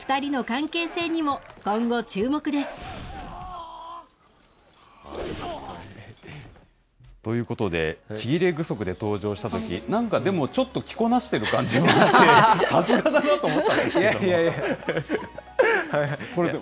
忠勝。ということで、ちぎれ具足で登場したとき、なんかでも、ちょっと着こなしてる感じもあって、さすがだなと思ったんですけれども。